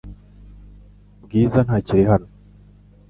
Bwiza ntakiri hano .